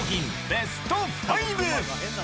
ベスト５。